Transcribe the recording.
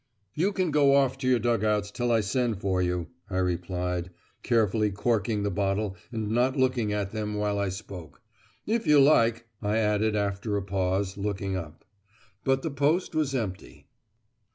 "You can go off to your dug outs till I send for you," I replied, carefully corking the bottle and not looking at them while I spoke: "if you like," I added after a pause, looking up. But the post was empty.